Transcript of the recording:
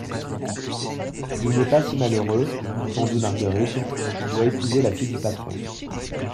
Il n'est pas si malheureux, répondit Marguerite, il doit épouser la fille du patron.